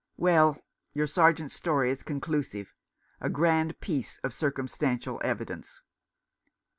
Well, your Sergeant's story is conclusive — a grand piece of circumstantial evidence."